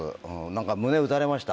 何か胸打たれました。